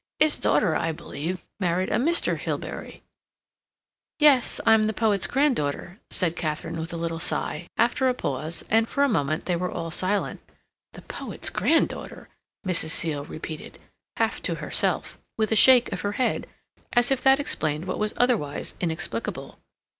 His daughter, I believe, married a Mr. Hilbery." "Yes; I'm the poet's granddaughter," said Katharine, with a little sigh, after a pause; and for a moment they were all silent. "The poet's granddaughter!" Mrs. Seal repeated, half to herself, with a shake of her head, as if that explained what was otherwise inexplicable.